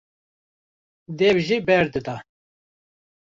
dev jê berdida.